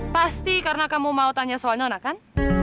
pasti karena kamu mau tanya soal nyona kan